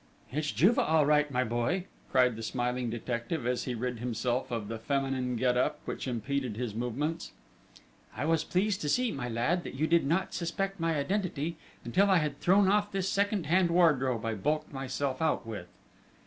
"It's Juve, all right, my boy!" cried the smiling detective, as he rid himself of the feminine get up which impeded his movements. "I was pleased to see, my lad, that you did not suspect my identity until I had thrown off this second hand wardrobe I bulked myself out with!"